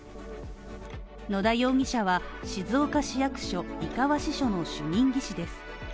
野田容疑者は、静岡市役所井川支所の主任技師です。